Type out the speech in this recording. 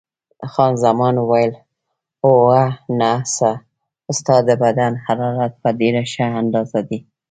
خان زمان وویل: اوه، نه، ستا د بدن حرارت په ډېره ښه اندازه دی.